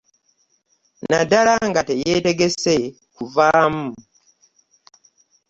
Naddala nga teyetegese kubavaamu .